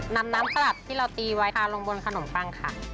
นำน้ำสลัดที่เราตีไว้ค่ะลงบนขนมปังค่ะ